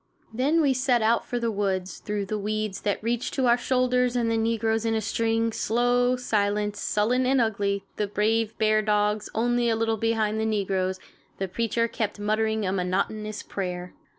Then we set out for the woods, through weeds that reached to our shoulders, the negroes in a string, slow, silent, sullen and ugly, the brave bear dogs only a little behind the negroes. The preacher kept muttering a monotonous prayer.